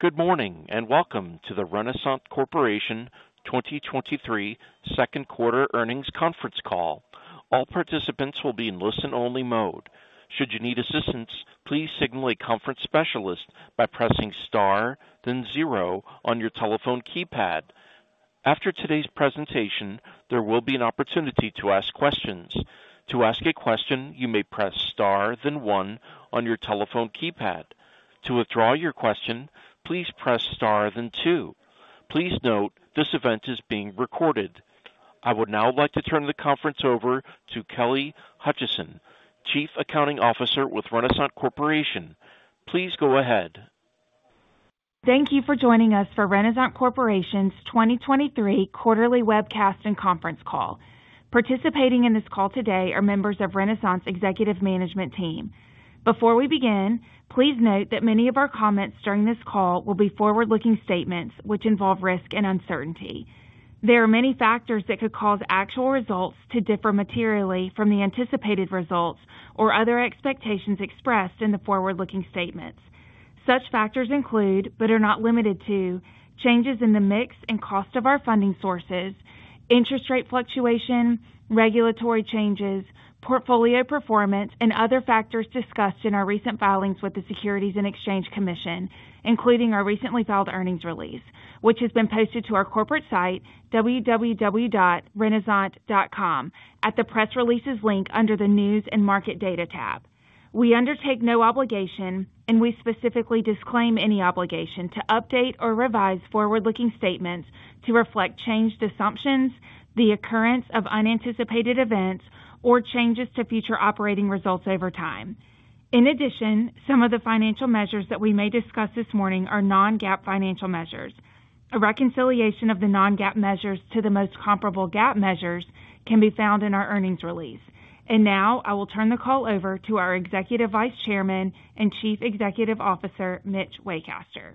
Good morning, and welcome to the Renasant Corporation 2023 Second Quarter Earnings Conference Call. All participants will be in listen-only mode. Should you need assistance, please signal a conference specialist by pressing Star, then zero on your telephone keypad. After today's presentation, there will be an opportunity to ask questions. To ask a question, you may press star than one on your telephone keypad. To withdraw your question, please press star than two. Please note, this event is being recorded. I would now like to turn the conference over to Kelly Hutcheson, Chief Accounting Officer with Renasant Corporation. Please go ahead. Thank you for joining us for Renasant Corporation's 2023 Quarterly Webcast and Conference Call. Participating in this call today are members of Renasant's executive management team. Before we begin, please note that many of our comments during this call will be forward-looking statements, which involve risk and uncertainty. There are many factors that could cause actual results to differ materially from the anticipated results or other expectations expressed in the forward-looking statements. Such factors include, but are not limited to, changes in the mix and cost of our funding sources, interest rate fluctuation, regulatory changes, portfolio performance, and other factors discussed in our recent filings with the Securities and Exchange Commission, including our recently filed earnings release, which has been posted to our corporate site, www.renasant.com, at the Press Releases link under the News and Market Data tab. We undertake no obligation, and we specifically disclaim any obligation to update or revise forward-looking statements to reflect changed assumptions, the occurrence of unanticipated events, or changes to future operating results over time. In addition, some of the financial measures that we may discuss this morning are non-GAAP financial measures. A reconciliation of the non-GAAP measures to the most comparable GAAP measures can be found in our earnings release. Now I will turn the call over to our Executive Vice Chairman and Chief Executive Officer, Mitch Waycaster.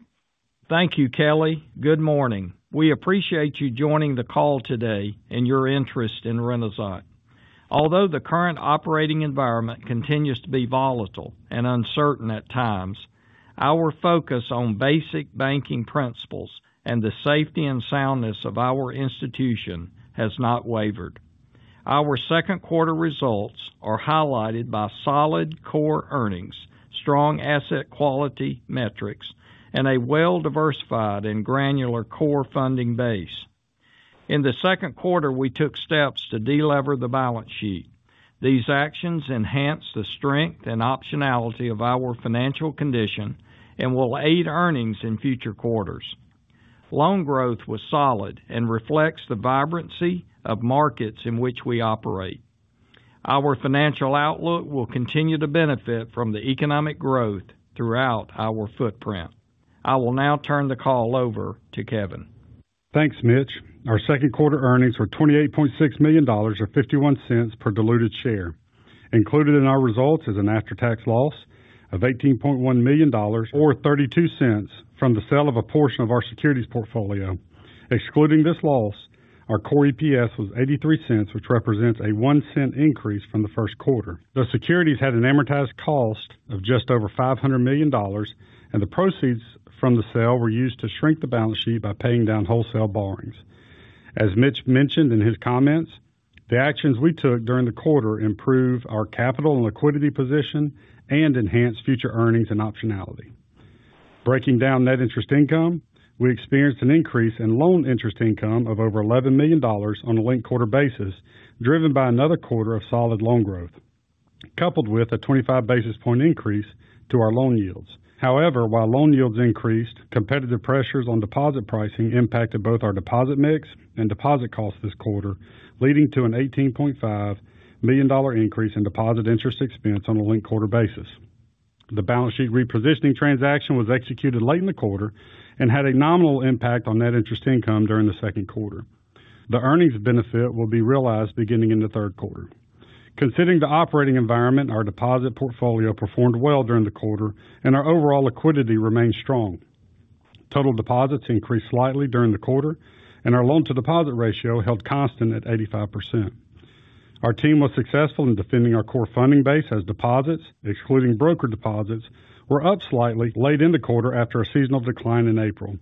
Thank you, Kelly. Good morning. We appreciate you joining the call today and your interest in Renasant. The current operating environment continues to be volatile and uncertain at times, our focus on basic banking principles and the safety and soundness of our institution has not wavered. Our second quarter results are highlighted by solid core earnings, strong asset quality metrics, and a well-diversified and granular core funding base. In the second quarter, we took steps to delever the balance sheet. These actions enhance the strength and optionality of our financial condition and will aid earnings in future quarters. Loan growth was solid and reflects the vibrancy of markets in which we operate. Our financial outlook will continue to benefit from the economic growth throughout our footprint. I will now turn the call over to Kevin. Thanks, Mitch. Our second quarter earnings were $28.6 million, or $0.51 per diluted share. Included in our results is an after-tax loss of $18.1 million, or $0.32 from the sale of a portion of our securities portfolio. Excluding this loss, our core EPS was $0.83, which represents a $0.01 increase from the first quarter. The securities had an amortized cost of just over $500 million, and the proceeds from the sale were used to shrink the balance sheet by paying down wholesale borrowings. As Mitch mentioned in his comments, the actions we took during the quarter improve our capital and liquidity position and enhance future earnings and optionality. Breaking down net interest income, we experienced an increase in loan interest income of over $11 million on a linked quarter basis, driven by another quarter of solid loan growth, coupled with a 25 basis point increase to our loan yields. While loan yields increased, competitive pressures on deposit pricing impacted both our deposit mix and deposit costs this quarter, leading to an $18.5 million increase in deposit interest expense on a linked quarter basis. The balance sheet repositioning transaction was executed late in the quarter and had a nominal impact on net interest income during the second quarter. The earnings benefit will be realized beginning in the third quarter. Considering the operating environment, our deposit portfolio performed well during the quarter and our overall liquidity remained strong. Total deposits increased slightly during the quarter. Our loan to deposit ratio held constant at 85%. Our team was successful in defending our core funding base as deposits, excluding broker deposits, were up slightly late in the quarter after a seasonal decline in April.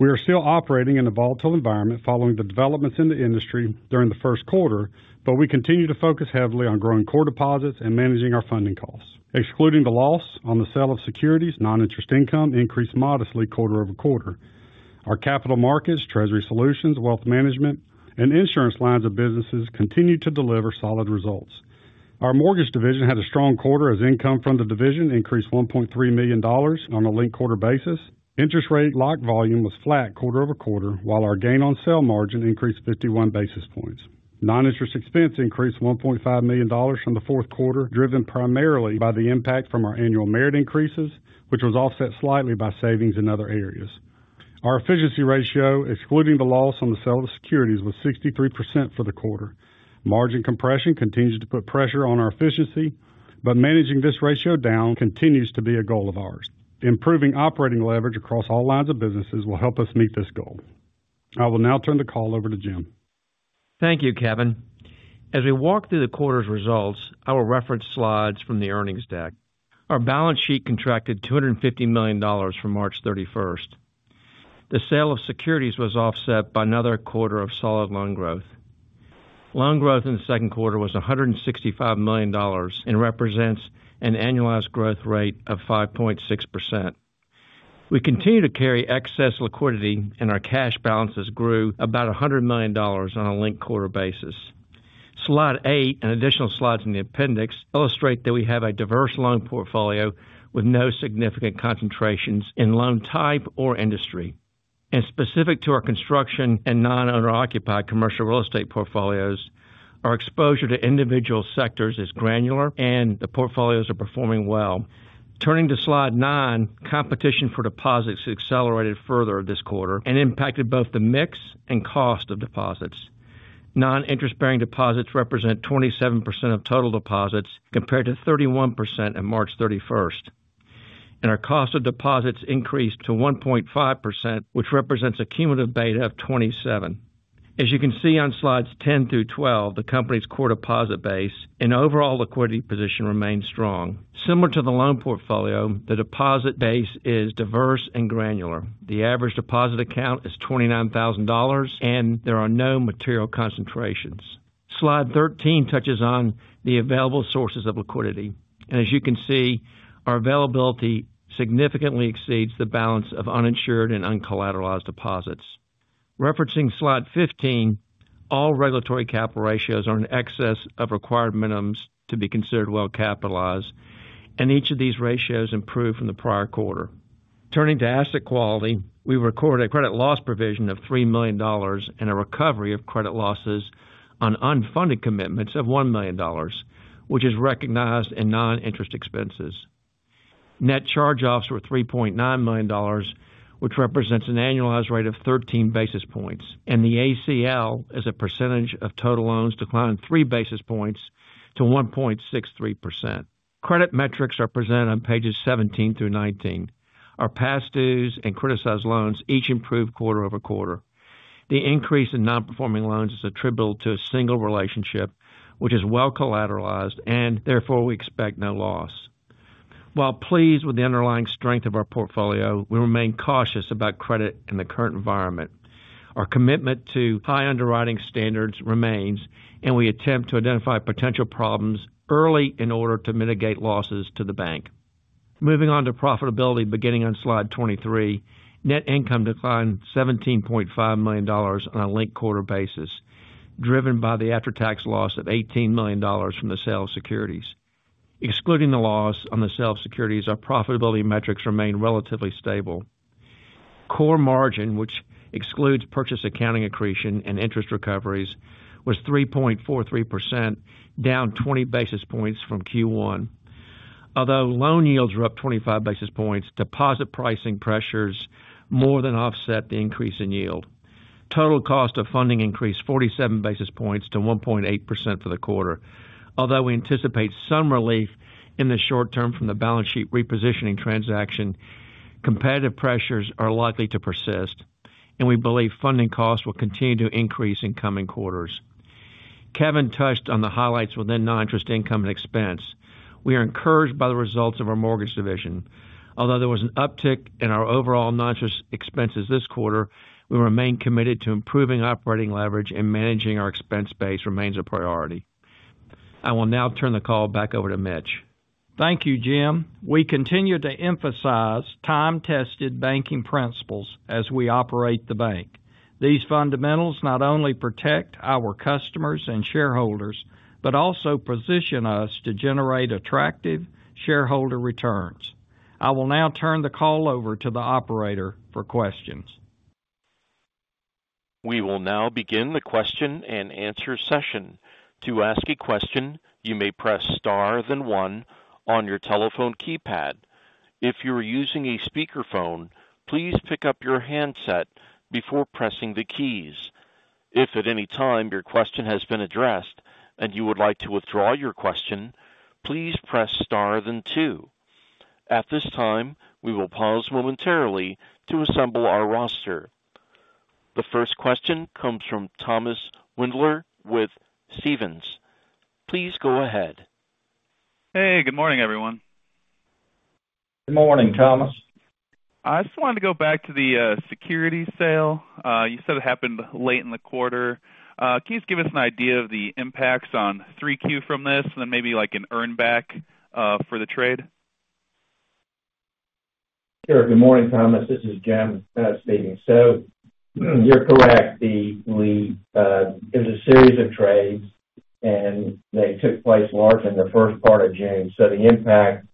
We are still operating in a volatile environment following the developments in the industry during the first quarter. We continue to focus heavily on growing core deposits and managing our funding costs. Excluding the loss on the sale of securities, non-interest income increased modestly quarter-over-quarter. Our capital markets, treasury solutions, wealth management, and insurance lines of businesses continued to deliver solid results. Our mortgage division had a strong quarter as income from the division increased $1.3 million on a linked-quarter basis. Interest rate lock volume was flat quarter-over-quarter, while our gain on sale margin increased 51 basis points. Non-interest expense increased $1.5 million from the fourth quarter, driven primarily by the impact from our annual merit increases, which was offset slightly by savings in other areas. Our efficiency ratio, excluding the loss on the sale of securities, was 63% for the quarter. Margin compression continues to put pressure on our efficiency, but managing this ratio down continues to be a goal of ours. Improving operating leverage across all lines of businesses will help us meet this goal. I will now turn the call over to Jim. Thank you, Kevin. As we walk through the quarter's results, I will reference slides from the earnings deck. Our balance sheet contracted $250 million from March 31st. The sale of securities was offset by another quarter of solid loan growth. Loan growth in the second quarter was $165 million and represents an annualized growth rate of 5.6%. We continue to carry excess liquidity, and our cash balances grew about $100 million on a linked quarter basis. Slide 8 and additional slides in the appendix illustrate that we have a diverse loan portfolio with no significant concentrations in loan type or industry. Specific to our construction and non-owner occupied commercial real estate portfolios, our exposure to individual sectors is granular and the portfolios are performing well. Turning to slide 9, competition for deposits accelerated further this quarter and impacted both the mix and cost of deposits. Non-interest-bearing deposits represent 27% of total deposits, compared to 31% on March 31st, and our cost of deposits increased to 1.5%, which represents a cumulative beta of 27. As you can see on slides 10 through 12, the company's core deposit base and overall liquidity position remains strong. Similar to the loan portfolio, the deposit base is diverse and granular. The average deposit account is $29,000, and there are no material concentrations. Slide 13 touches on the available sources of liquidity, and as you can see, our availability significantly exceeds the balance of uninsured and uncollateralized deposits. Referencing slide 15, all regulatory capital ratios are in excess of required minimums to be considered well capitalized, and each of these ratios improved from the prior quarter. Turning to asset quality, we recorded a credit loss provision of $3 million and a recovery of credit losses on unfunded commitments of $1 million, which is recognized in non-interest expenses. Net charge-offs were $3.9 million, which represents an annualized rate of 13 basis points, and the ACL, as a percentage of total loans, declined 3 basis points to 1.63%. Credit metrics are presented on pages 17 through 19. Our past dues and criticized loans each improved quarter-over-quarter. The increase in non-performing loans is attributable to a single relationship, which is well collateralized and therefore we expect no loss. While pleased with the underlying strength of our portfolio, we remain cautious about credit in the current environment. Our commitment to high underwriting standards remains. We attempt to identify potential problems early in order to mitigate losses to the bank. Moving on to profitability, beginning on slide 23, net income declined $17.5 million on a linked quarter basis, driven by the after-tax loss of $18 million from the sale of securities. Excluding the loss on the sale of securities, our profitability metrics remain relatively stable. Core margin, which excludes purchase accounting accretion and interest recoveries, was 3.43%, down 20 basis points from Q1. Although loan yields were up 25 basis points, deposit pricing pressures more than offset the increase in yield. Total cost of funding increased 47 basis points to 1.8% for the quarter. Although we anticipate some relief in the short term from the balance sheet repositioning transaction, competitive pressures are likely to persist. We believe funding costs will continue to increase in coming quarters. Kevin touched on the highlights within non-interest income and expense. We are encouraged by the results of our mortgage division. Although there was an uptick in our overall non-interest expenses this quarter, we remain committed to improving operating leverage and managing our expense base remains a priority. I will now turn the call back over to Mitch. Thank you, Jim. We continue to emphasize time-tested banking principles as we operate the bank. These fundamentals not only protect our customers and shareholders, but also position us to generate attractive shareholder returns. I will now turn the call over to the operator for questions. We will now begin the question and answer session. To ask a question, you may press star then one on your telephone keypad. If you are using a speakerphone, please pick up your handset before pressing the keys. If at any time your question has been addressed and you would like to withdraw your question, please press star then two. At this time, we will pause momentarily to assemble our roster. The first question comes from Thomas Wendler with Stephens. Please go ahead. Hey, good morning, everyone. Good morning, Thomas. I just wanted to go back to the security sale. You said it happened late in the quarter. Can you just give us an idea of the impacts on 3Q from this, and then maybe like an earn back for the trade? Sure. Good morning, Thomas. This is Jim speaking. You're correct, it was a series of trades, and they took place largely in the first part of June. The impact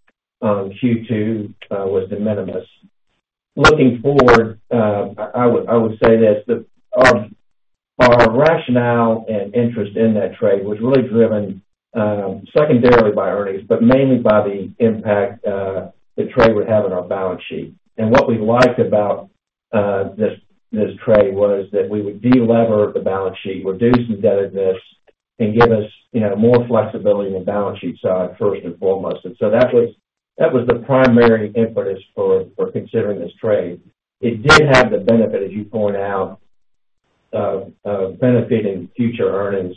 on Q2 was de minimis. Looking forward, I would say this, that our rationale and interest in that trade was really driven secondarily by earnings, but mainly by the impact the trade would have on our balance sheet. What we liked about this trade was that we would de-lever the balance sheet, reduce indebtedness...... and give us, you know, more flexibility on the balance sheet side, first and foremost. That was the primary impetus for considering this trade. It did have the benefit, as you point out, of benefiting future earnings.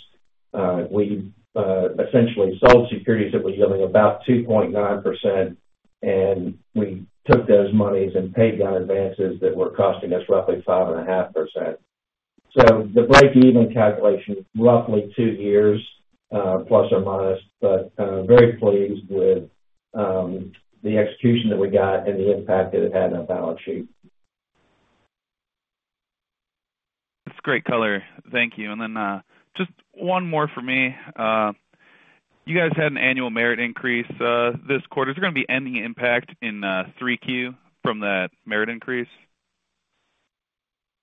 We essentially sold securities that were yielding about 2.9%, and we took those monies and paid down advances that were costing us roughly 5.5%. The break even calculation, roughly 2 years, ±, but very pleased with the execution that we got and the impact that it had on our balance sheet. That's great color. Thank you. Just one more for me. You guys had an annual merit increase this quarter. Is there gonna be any impact in 3Q from that merit increase?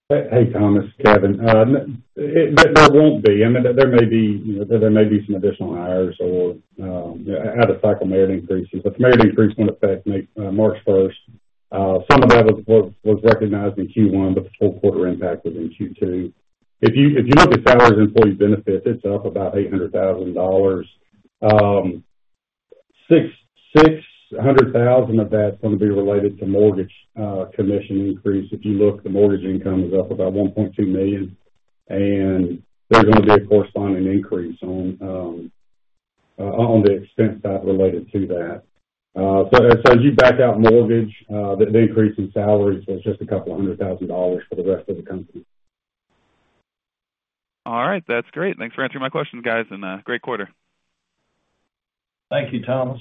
Hey, Thomas, Kevin. There won't be. I mean, there may be some additional hires or out of cycle merit increases, but the merit increase went effect March 1st. Some of that was recognized in Q1, but the full quarter impact was in Q2. If you look at salaries employee benefits, it's up about $800,000. $600,000 of that's going to be related to mortgage commission increase. If you look, the mortgage income is up about $1.2 million, and there's going to be a corresponding increase on the expense side related to that. As you back out mortgage, the increase in salaries is just a couple of hundred thousand dollars for the rest of the company. All right. That's great. Thanks for answering my questions, guys, great quarter. Thank you, Thomas.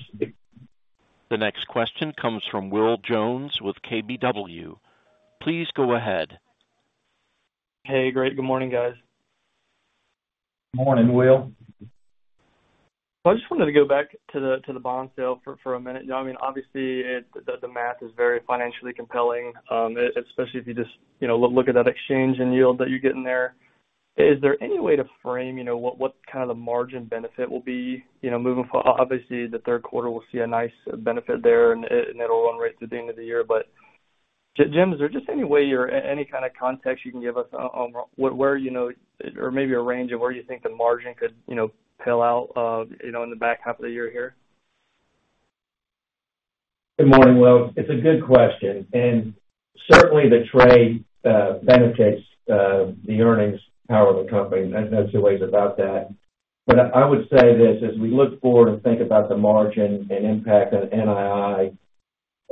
The next question comes from Will Jones with KBW. Please go ahead. Hey, great. Good morning, guys. Morning, Will. I just wanted to go back to the, to the bond sale for a minute. You know, I mean, obviously, the math is very financially compelling, especially if you just, you know, look at that exchange in yield that you're getting there. Is there any way to frame, you know, what kind of the margin benefit will be? You know, obviously, the third quarter will see a nice benefit there, and that'll run right through the end of the year. Jim, is there just any way or any kind of context you can give us on where, you know, or maybe a range of where you think the margin could, you know, peel out, you know, in the back half of the year here? Good morning, Will. It's a good question, certainly, the trade benefits the earnings power of the company. There's no two ways about that. I would say this: as we look forward and think about the margin and impact on NII,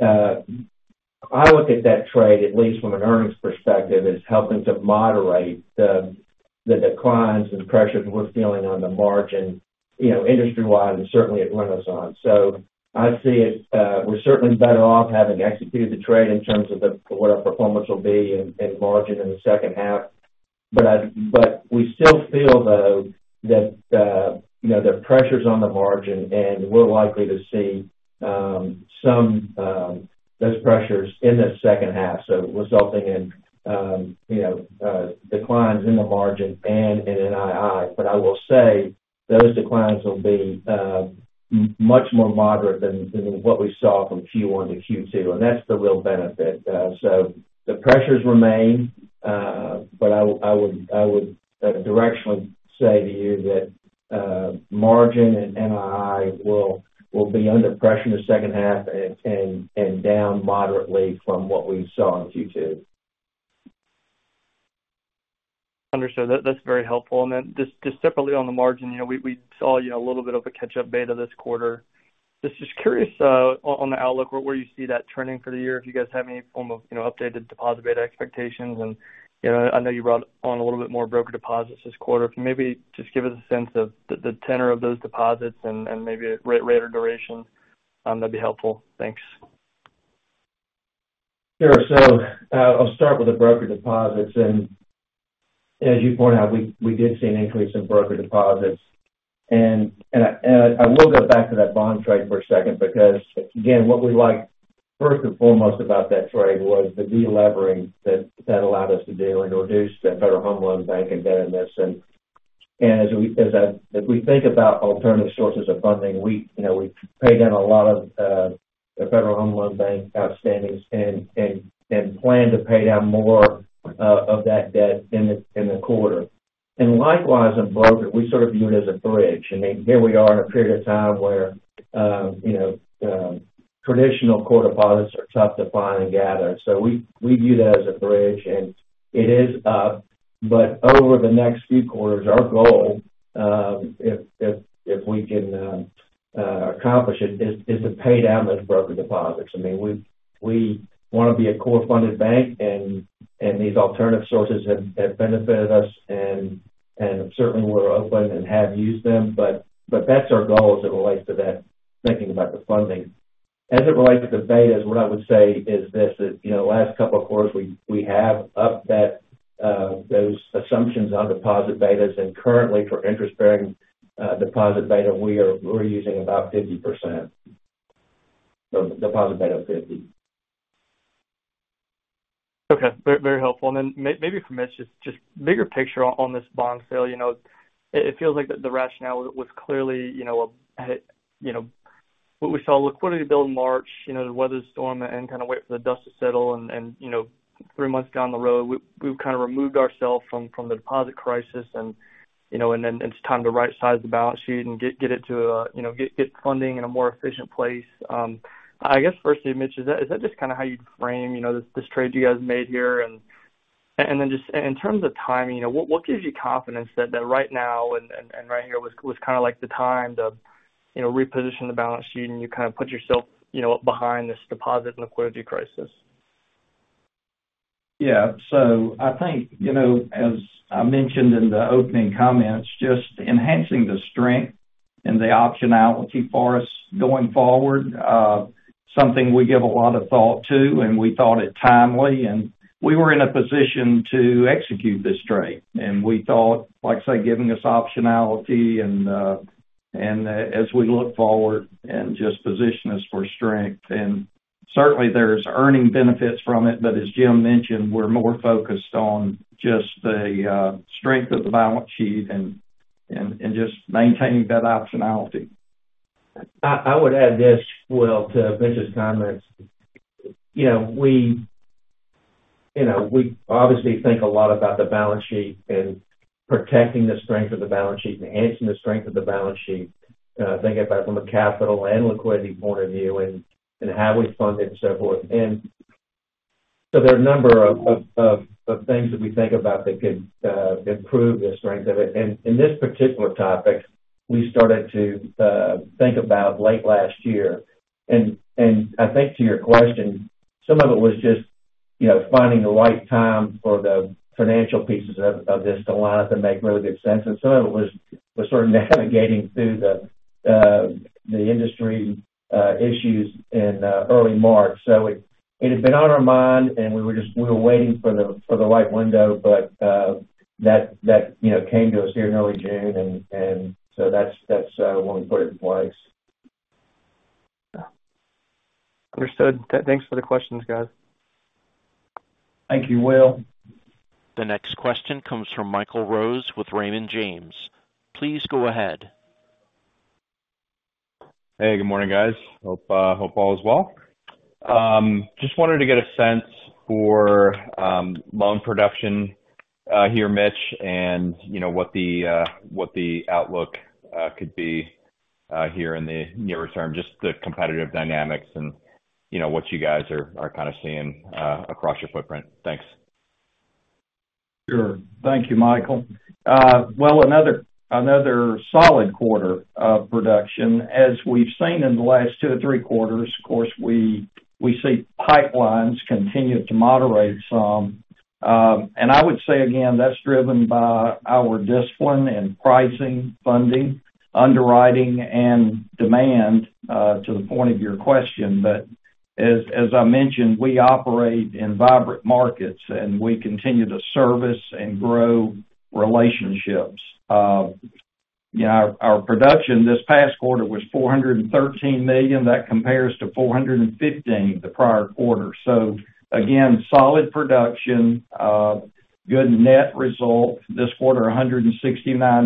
I look at that trade, at least from an earnings perspective, as helping to moderate the declines and pressures we're feeling on the margin, you know, industry-wide, and certainly at Renasant. I see it, we're certainly better off having executed the trade in terms of what our performance will be in margin in the second half. We still feel, though, that, you know, there are pressures on the margin, and we're likely to see some those pressures in the second half, resulting in, you know, declines in the margin and in NII. I will say, those declines will be much more moderate than what we saw from Q1 to Q2, and that's the real benefit. The pressures remain, I would directionally say to you that margin and NII will be under pressure in the second half and down moderately from what we saw in Q2. Understood. That's very helpful. Then just separately on the margin, you know, we saw, you know, a little bit of a catch-up beta this quarter. Just curious on the outlook, where you see that turning for the year, if you guys have any form of, you know, updated deposit beta expectations. You know, I know you brought on a little bit more broker deposits this quarter. If you maybe just give us a sense of the tenor of those deposits and maybe a rate or duration, that'd be helpful. Thanks. Sure. I'll start with the broker deposits, and as you point out, we did see an increase in broker deposits. And I will go back to that bond trade for a second because, again, what we liked first and foremost about that trade was the delevering that allowed us to do, and it reduced the Federal Home Loan Bank indebtedness. And as we think about alternative sources of funding, we, you know, we paid down a lot of the Federal Home Loan Bank outstandings and plan to pay down more of that debt in the quarter. Likewise, in broker, we sort of view it as a bridge. I mean, here we are in a period of time where traditional core deposits are tough to find and gather, so we view that as a bridge, and it is up. Over the next few quarters, our goal, if we can accomplish it, is to pay down those broker deposits. I mean, we want to be a core funded bank, and these alternative sources have benefited us and certainly, we're open and have used them. That's our goal as it relates to that, thinking about the funding. As it relates to the betas, what I would say is this, last couple of quarters, we have upped that those assumptions on deposit betas, and currently for interest-bearing deposit beta, we're using about 50%. deposit beta of 50. Okay, very, very helpful. Then maybe for Mitch, just bigger picture on this bond sale. You know, it feels like the rationale was clearly, you know, a what we saw liquidity build in March, you know, the weather storm, and kind of wait for the dust to settle and, you know, three months down the road, we've kind of removed ourselves from the deposit crisis and, you know, then it's time to rightsize the balance sheet and get it to a, you know, get funding in a more efficient place. I guess, firstly, Mitch, is that just kind of how you'd frame, you know, this trade you guys made here? Then just in terms of timing, you know, what gives you confidence that right now and right here was kind of like the time to, you know, reposition the balance sheet, and you kind of put yourself, you know, behind this deposit and liquidity crisis? Yeah. I think, you know, as I mentioned in the opening comments, just enhancing the strength and the optionality for us going forward, something we give a lot of thought to, and we thought it timely, and we were in a position to execute this trade. We thought, like I say, giving us optionality and, as we look forward and just position us for strength, and certainly there's earning benefits from it, but as Jim mentioned, we're more focused on just the strength of the balance sheet and just maintaining that optionality. I would add this, Will, to Mitch's comments. You know, we, you know, we obviously think a lot about the balance sheet and protecting the strength of the balance sheet and enhancing the strength of the balance sheet, thinking about it from a capital and liquidity point of view, and how we fund it and so forth. So there are a number of things that we think about that could improve the strength of it. In this particular topic, we started to think about late last year. I think to your question, some of it was just, you know, finding the right time for the financial pieces of this to line up and make really good sense, and some of it was sort of navigating through the industry issues in early March. It had been on our mind, and we were waiting for the, for the right window. That, you know, came to us here in early June, and so that's when we put it in place. Understood. Thanks for the questions, guys. Thank you, Will. The next question comes from Michael Rose with Raymond James. Please go ahead. Hey, good morning, guys. Hope all is well. Just wanted to get a sense for loan production here, Mitch, and you know, what the outlook could be here in the nearer term, just the competitive dynamics and, you know, what you guys are kind of seeing across your footprint. Thanks. Sure. Thank you, Michael. Well, another solid quarter of production. As we've seen in the last 2 to 3 quarters, of course, we see pipelines continue to moderate some. I would say again, that's driven by our discipline in pricing, funding, underwriting, and demand to the point of your question. As I mentioned, we operate in vibrant markets, and we continue to service and grow relationships. Yeah, our production this past quarter was $413 million. That compares to $415 million the prior quarter. Again, solid production, good net result. This quarter, $169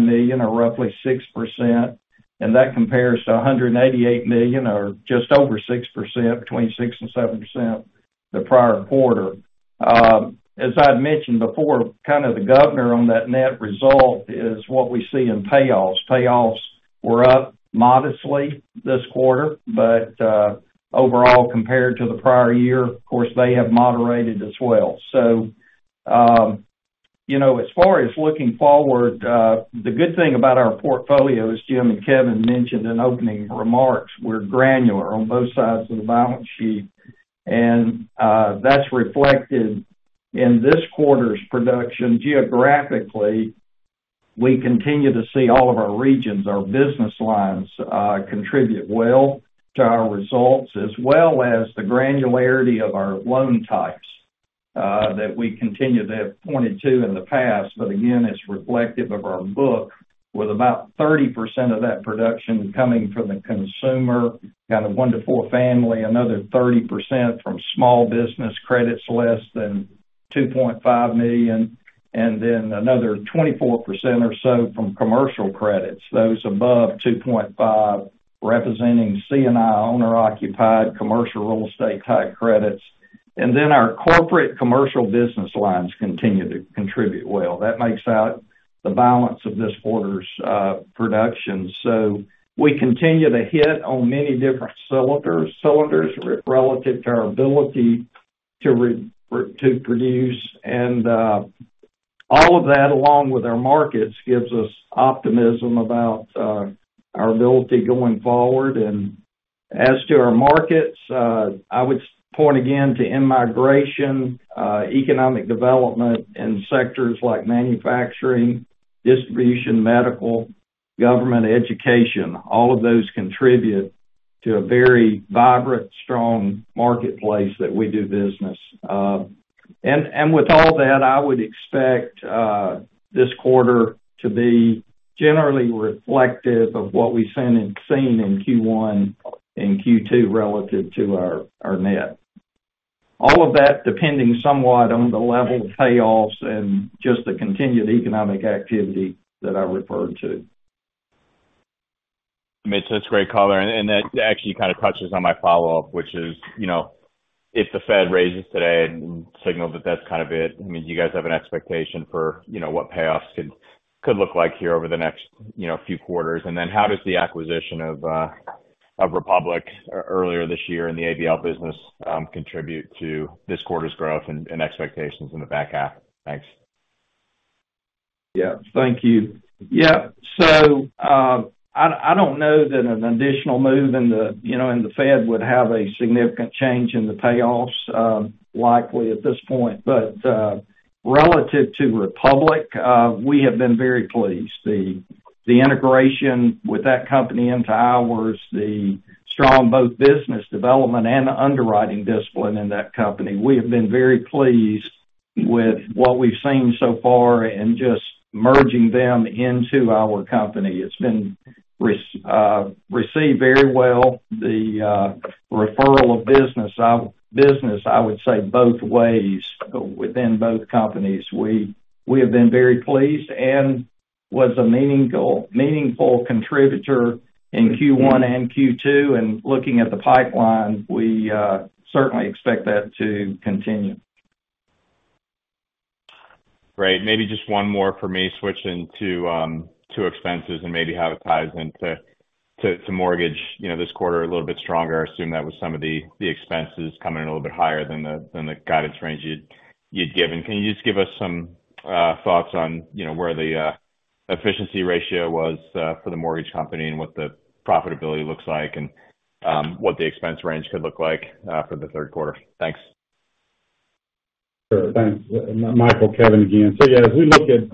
million, or roughly 6%, and that compares to $188 million or just over 6%, between 6% and 7%, the prior quarter. As I've mentioned before, kind of the governor on that net result is what we see in payoffs. Payoffs were up modestly this quarter. Overall, compared to the prior year, of course, they have moderated as well. You know, as far as looking forward, the good thing about our portfolio, as Jim and Kevin mentioned in opening remarks, we're granular on both sides of the balance sheet. That's reflected in this quarter's production. Geographically, we continue to see all of our regions, our business lines, contribute well to our results, as well as the granularity of our loan types, that we continue to have pointed to in the past. Again, it's reflective of our book, with about 30% of that production coming from the consumer, kind of 1 to 4 family, another 30% from small business credits, less than $2.5 million, and then another 24% or so from commercial credits, those above $2.5 million, representing C&I, owner-occupied, commercial real estate type credits. Our corporate commercial business lines continue to contribute well. That makes out the balance of this quarter's production. We continue to hit on many different cylinders relative to our ability to produce. All of that, along with our markets, gives us optimism about our ability going forward. As to our markets, I would point again to in-migration, economic development in sectors like manufacturing, distribution, medical, government, education. All of those contribute to a very vibrant, strong marketplace that we do business. With all that, I would expect this quarter to be generally reflective of what we've seen in Q1 and Q2 relative to our net. All of that depending somewhat on the level of payoffs and just the continued economic activity that I referred to. Mitch, that's a great color, and that actually kind of touches on my follow up, which is, you know, if the Fed raises today and signals that that's kind of it, I mean, do you guys have an expectation for, you know, what payoffs could look like here over the next, you know, few quarters? How does the acquisition of Republic earlier this year in the ABL business contribute to this quarter's growth and expectations in the back half? Thanks. Yeah, thank you. I don't know that an additional move in the, you know, in the Fed would have a significant change in the payoffs likely at this point. Relative to Republic, we have been very pleased. The integration with that company into ours, the strong both business development and the underwriting discipline in that company, we have been very pleased with what we've seen so far in just merging them into our company. It's been received very well, the referral of business, I would say, both ways within both companies. We have been very pleased and was a meaningful contributor in Q1 and Q2. Looking at the pipeline, we certainly expect that to continue. Great. Maybe just one more for me, switching to expenses and maybe how it ties into mortgage. You know, this quarter, a little bit stronger. I assume that was some of the expenses coming in a little bit higher than the guidance range you'd given. Can you just give us some thoughts on, you know, where the efficiency ratio was for the mortgage company, and what the profitability looks like, and what the expense range could look like for the third quarter? Thanks. Sure. Thanks. Michael, Kevin again. Yeah, as we look at,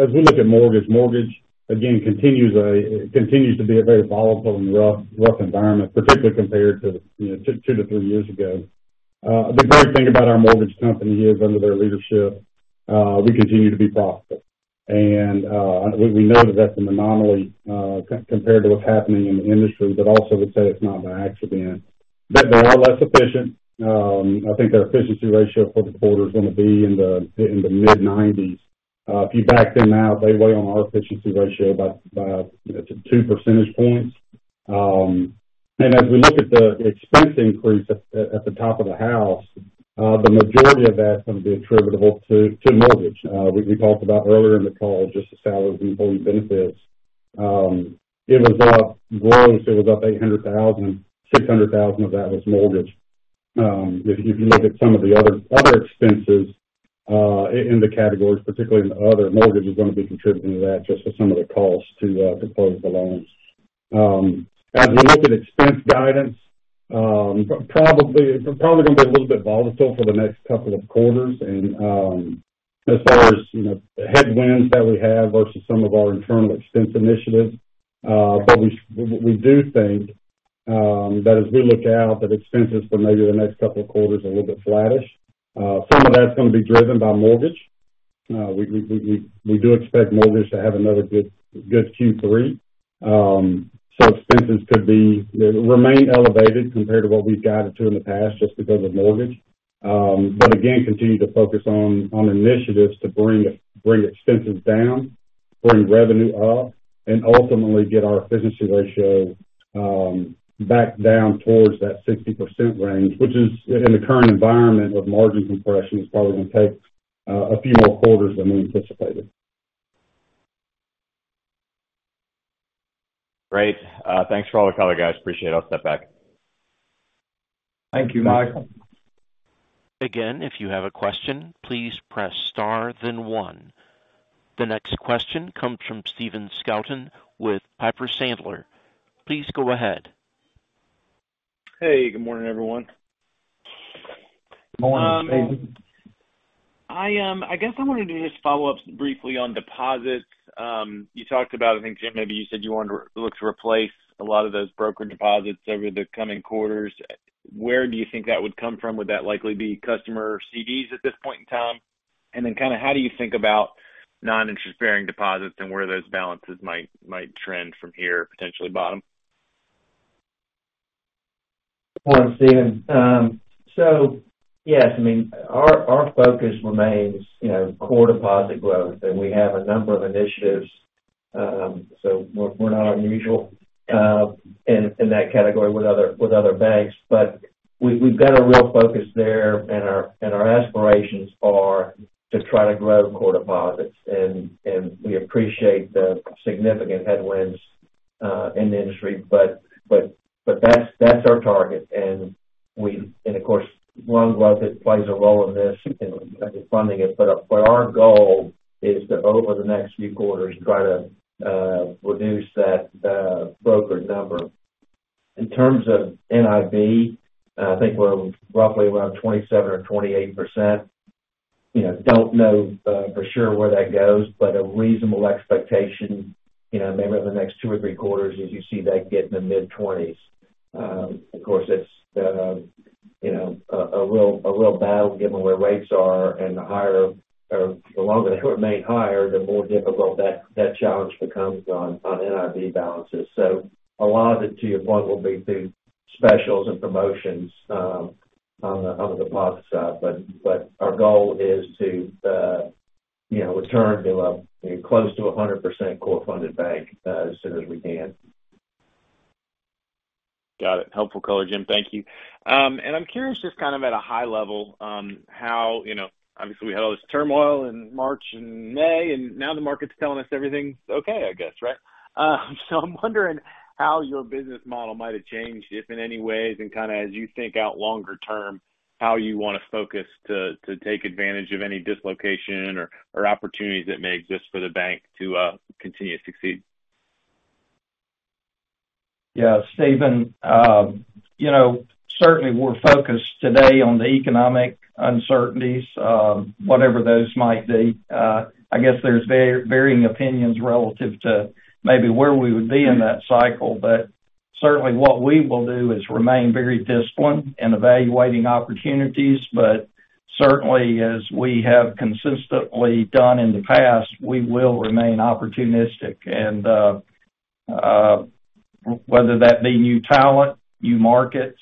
as we look at mortgage, again, continues to be a very volatile and rough environment, particularly compared to, you know, 2 to 3 years ago. The great thing about our mortgage company is, under their leadership, we continue to be profitable. We know that that's an anomaly compared to what's happening in the industry, but also would say it's not by accident. They are less efficient. I think their efficiency ratio for the quarter is gonna be in the mid-90s. If you back them out, they weigh on our efficiency ratio by it's 2 percentage points. As we look at the expense increase at the top of the house, the majority of that's going to be attributable to mortgage. We talked about earlier in the call, just the salaries and employee benefits. It was up, gross, it was up $800,000, $600,000 of that was mortgage. If you look at some of the other expenses, in the categories, particularly in the other, mortgage is gonna be contributing to that, just with some of the costs to close the loans. As we look at expense guidance, probably gonna be a little bit volatile for the next couple of quarters. As far as, you know, the headwinds that we have versus some of our internal expense initiatives, but we do think that as we look out, that expenses for maybe the next couple of quarters are a little bit flattish. Some of that's gonna be driven by mortgage. We do expect mortgage to have another good Q3. So expenses could be, remain elevated compared to what we've guided to in the past, just because of mortgage. But again, continue to focus on initiatives to bring expenses down, bring revenue up, and ultimately get our efficiency ratio back down towards that 60% range, which is, in the current environment with margin compression, is probably going to take a few more quarters than we anticipated. Great. Thanks for all the color, guys. Appreciate it. I'll step back. Thank you, Michael. Again, if you have a question, please press star then 1. The next question comes from Stephen Scouten with Piper Sandler. Please go ahead. Hey, good morning, everyone. Good morning, Stephen. I guess I wanted to just follow up briefly on deposits. You talked about, I think, Jim, maybe you said you wanted to look to replace a lot of those broker deposits over the coming quarters. Where do you think that would come from? Would that likely be customer CDs at this point in time? How do you think about non-interest bearing deposits and where those balances might trend from here, potentially bottom? Stephen, yes, I mean, our focus remains, you know, core deposit growth, and we have a number of initiatives. We're not unusual in that category with other banks. We've got a real focus there, and our aspirations are to try to grow core deposits. We appreciate the significant headwinds in the industry, but that's our target. Of course, loan growth, it plays a role in this in terms of funding it, but our goal is to, over the next few quarters, try to reduce that broker number. In terms of NIB, I think we're roughly around 27% or 28%. You know, don't know, for sure where that goes. A reasonable expectation, you know, maybe over the next two or three quarters, is you see that get in the mid-twenties. Of course, it's, you know, a real battle given where rates are and the higher, or the longer they remain higher, the more difficult that challenge becomes on NIB balances. A lot of it, to your point, will be through specials and promotions, on the deposit side. Our goal is, you know, return to a close to 100% core funded bank, as soon as we can. Got it. Helpful color, Jim, thank you. I'm curious, just kind of at a high level, how, you know, obviously, we had all this turmoil in March and May, and now the market's telling us everything's okay, I guess, right? I'm wondering how your business model might have changed, if in any ways, and kind of as you think out longer term, how you want to focus to take advantage of any dislocation or opportunities that may exist for the bank to continue to succeed? Stephen, you know, certainly we're focused today on the economic uncertainties, whatever those might be. I guess there's varying opinions relative to maybe where we would be in that cycle, but certainly what we will do is remain very disciplined in evaluating opportunities. Certainly, as we have consistently done in the past, we will remain opportunistic. Whether that be new talent, new markets,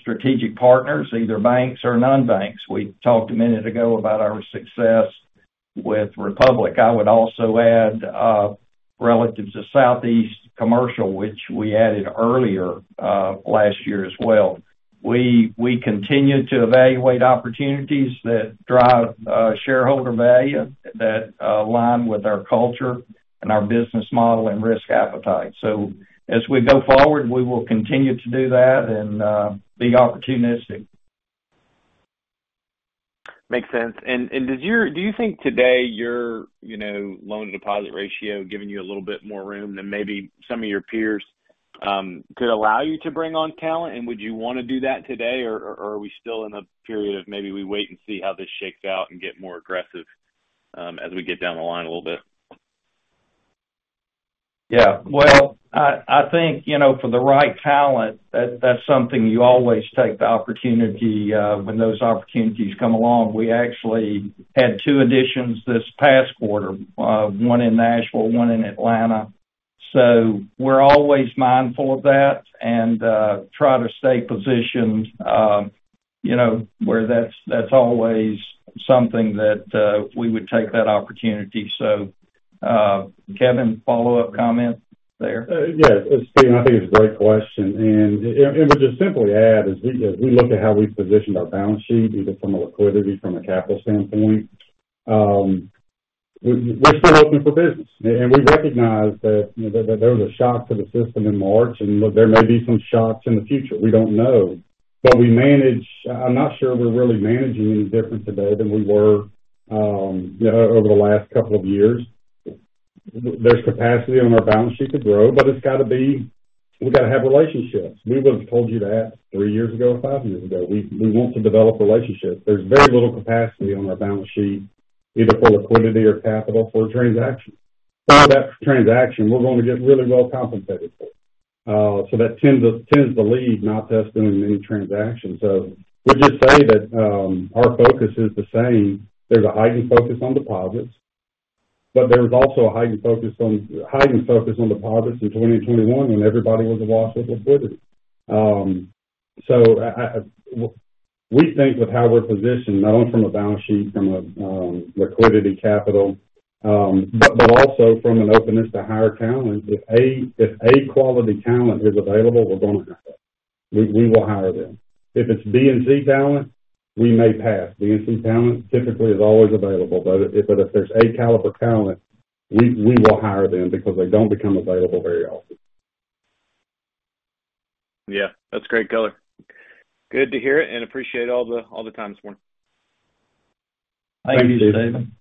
strategic partners, either banks or non-banks. We talked a minute ago about our success with Republic. I would also add, relative to Southeast Commercial, which we added earlier last year as well. We continue to evaluate opportunities that drive shareholder value, that align with our culture and our business model and risk appetite. As we go forward, we will continue to do that and be opportunistic. Makes sense. Do you think today, your, you know, loan-to-deposit ratio, giving you a little bit more room than maybe some of your peers, could allow you to bring on talent? Would you wanna do that today, or are we still in a period of maybe we wait and see how this shakes out and get more aggressive, as we get down the line a little bit? Yeah. Well, I think, you know, for the right talent, that's something you always take the opportunity, when those opportunities come along. We actually had 2 additions this past quarter, one in Nashville, one in Atlanta. We're always mindful of that and, try to stay positioned, you know, where that's always something that, we would take that opportunity. Kevin, follow up comment there? Yes, Stephen, I think it's a great question. To just simply add, as we look at how we've positioned our balance sheet, either from a liquidity, from a capital standpoint, we're still open for business, and we recognize that, you know, that there was a shock to the system in March, and there may be some shocks in the future, we don't know. I'm not sure we're really managing any different today than we were, you know, over the last couple of years. There's capacity on our balance sheet to grow, but it's got to be... We've got to have relationships. We would've told you that three years ago or five years ago. We want to develop relationships. There's very little capacity on our balance sheet, either for liquidity or capital, for a transaction. Part of that transaction, we're going to get really well compensated for. That tends to lead, not test in any transaction. We'll just say that, our focus is the same. There's a heightened focus on deposits, but there was also a heightened focus on deposits in 2021 when everybody was awash with liquidity. I, we think with how we're positioned, not only from a balance sheet, from a liquidity capital, but also from an openness to hire talent. If A quality talent is available, we're going to hire. We will hire them. If it's B&G balance, we may pass. B&G balance typically is always available, but if there's A caliber balance, we will hire them because they don't become available very often. Yeah, that's great color. Good to hear it, and appreciate all the time this morning. Thank you, Stephen.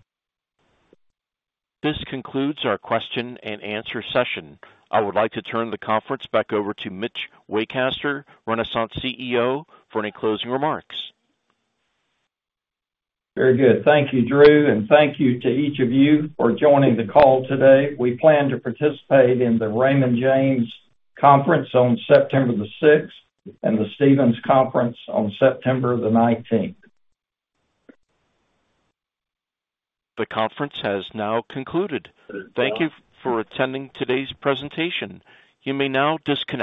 This concludes our question and answer session. I would like to turn the conference back over to Mitch Waycaster, Renasant CEO, for any closing remarks. Very good. Thank you, Drew, and thank you to each of you for joining the call today. We plan to participate in the Raymond James Conference on September the 6th and the Stephens Conference on September the 19th. The conference has now concluded. Thank you for attending today's presentation. You may now disconnect.